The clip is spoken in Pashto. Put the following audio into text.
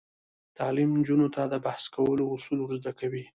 تعلیم نجونو ته د بحث کولو اصول ور زده کوي.